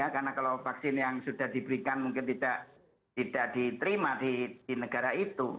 karena kalau vaksin yang sudah diberikan mungkin tidak diterima di negara itu